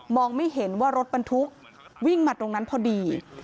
ไม่เห็นว่ารถบรรทุกวิ่งมาตรงนั้นพอดี